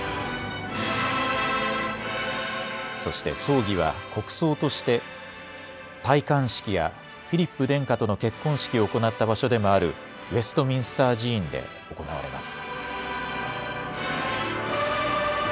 そして葬儀は国葬として、戴冠式や、フィリップ殿下との結婚式を行った場所でもある、ウェストミンスター寺院で行われます。